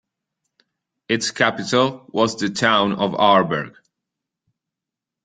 Its capital was the town of Aarberg.